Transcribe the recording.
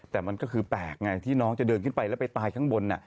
แต่มันก็คือแปลกไงที่น้องจะเดินขึ้นไปแล้วไปตายข้างบน